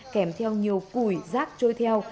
kèm theo nhiều cùi rác trôi theo